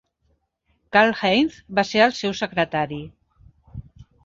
Karl Heinz va ser el seu secretari.